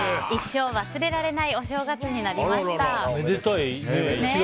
一生忘れられないお正月にめでたいね。